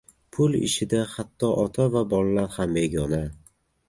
• Pul ishida hatto ota va bolalar ham — begona.